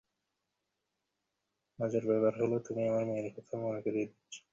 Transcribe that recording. মজার ব্যাপার হলো, তুমি আমার মেয়ের কথা মনে করিয়ে দিচ্ছো।